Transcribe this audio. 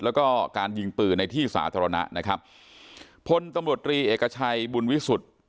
แล้วก็การยิงปืนในที่สาธารณะนะครับพลตำรวจรีเอกชัยบุญวิสุทธิ์